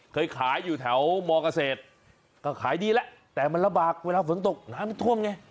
เคยขายอยู่แถวมเกษตรก็ขายดีแล้วแต่มันลำบากเวลาฝนตกน้ำมันท่วมไง